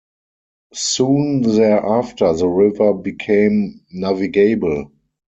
Soon thereafter the river became navigable.